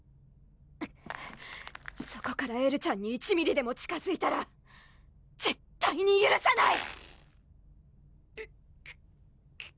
そこからエルちゃんに１ミリでも近づいたら絶対にゆるさない！